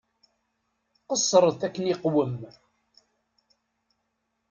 Qeṣṣṛet akken iqwem.